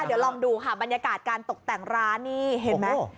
เดี๋ยวลองดูค่ะบรรยากาศการตกแต่งร้านนี่เห็นไหม